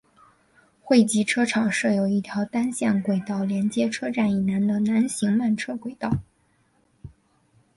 汇集车厂设有一条单线轨道连接车站以南的南行慢车轨道。